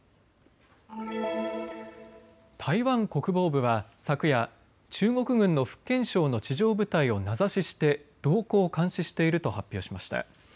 台湾国防部は昨夜、中国軍の福建省の地上部隊を名指しして動向を監視していると発表しました。